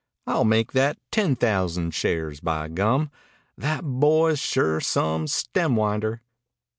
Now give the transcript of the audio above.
I'll make that ten thousand shares, by gum! That boy's sure some stemwinder."